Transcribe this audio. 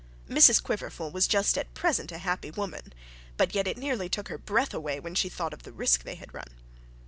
Mrs Quiverful was just at present a happy woman, but yet it nearly took her breath away when she thought of the risk they had run.